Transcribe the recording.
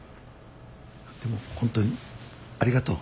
でも本当にありがとう。